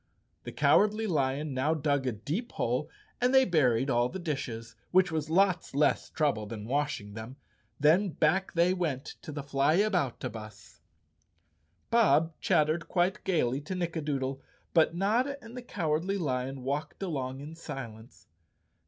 The Cow¬ ardly Lion now dug a deep hole and they buried all the dishes, which was lots less trouble than washing them, 179 The Cowardly Lion of Oz _ then back they went to the Flyaboutabus. Bob chattered quite gaily to Nickadoodle, but Notta and the Cowardly Lion walked along in silence.